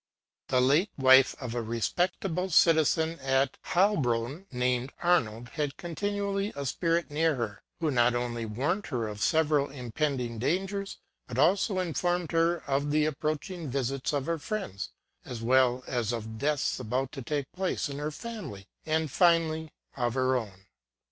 The late wife of a respectable citizen at Heilbronn, named Arnold, had continually a spirit near her, who not only warned her of several impending dangers, but also informed her of the approaching visits of her friends, as well as of deaths about to take place in her family; and, finally, of her own.